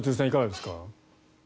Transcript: いかがですか。